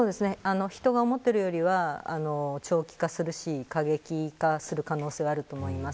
人が思っているよりは長期化するし過激化する可能性はあると思います。